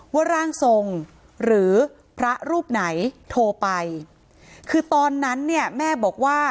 ว่าร่างทรงหรือพระรูปไหนโทรไปคือตอนนั้นเนี่ยแม่บอกว่า